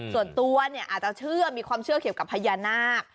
ส่วนตัวเนี่ยอาจจะเชื่อมีความเชื่อเกี่ยวกับพญานาค